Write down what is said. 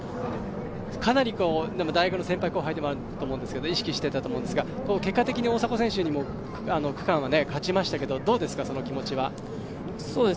かなり大学の先輩・後輩でもあると思うんで意識していたと思うんですが結果的に大迫選手にも区間は勝ちましたけどどうですか、その気持ちは。